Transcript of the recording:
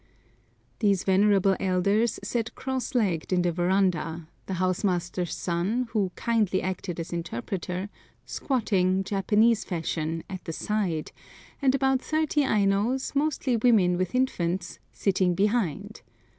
These venerable elders sat cross legged in the verandah, the house master's son, who kindly acted as interpreter, squatting, Japanese fashion, at the side, and about thirty Ainos, mostly women, with infants, sitting behind.